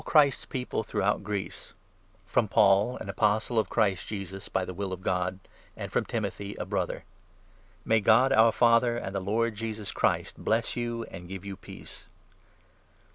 Christ's People throughout Greece, FROM Paul, an Apostle of Christ Jesus, by the will of God, AND FROM Timothy, a Brother. May God, our Father, and the Lord Jesus Christ bless you and 2 give you peace.